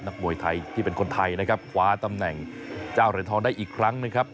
มวยไทยที่เป็นคนไทยนะครับคว้าตำแหน่งเจ้าเหรียญทองได้อีกครั้งหนึ่งครับ